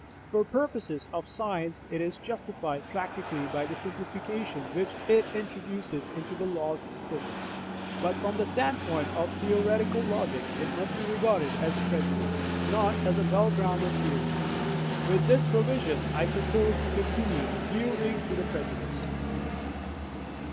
For purposes of science, it is justified practically by the simplification which it introduces into the laws of physics. But from the standpoint of theoretical logic it must be regarded as a prejudice, not as a well grounded theory. With this proviso, I propose to continue yielding to the prejudice.